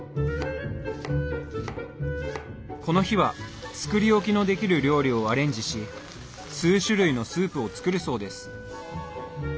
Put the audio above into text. この日は作り置きのできる料理をアレンジし数種類のスープを作るそうです。